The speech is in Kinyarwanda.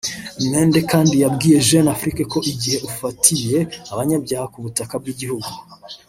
Mende kandi yabwiye Jeune Afrique ko “igihe ufatiye abanyabyaha ku butaka bw’igihugu